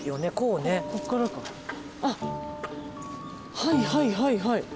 あっはいはいはいはい。